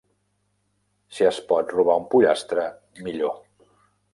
Si es pot robar un pollastre, millor.